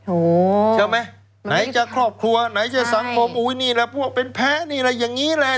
ใช่ไหมไหนจะครอบครัวไหนจะสังคมอุ้ยนี่แหละพวกเป็นแพ้นี่อะไรอย่างนี้แหละ